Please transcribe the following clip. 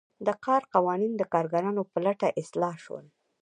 د کار قوانین د کارګرانو په ګټه اصلاح شول.